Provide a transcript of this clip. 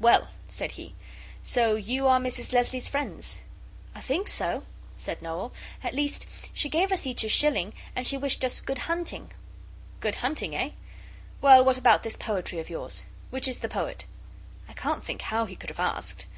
'Well,' said he, 'so you are Mrs Leslie's friends?' 'I think so,' said Noel; 'at least she gave us each a shilling, and she wished us "good hunting!"' 'Good hunting, eh? Well, what about this poetry of yours? Which is the poet?' I can't think how he could have asked!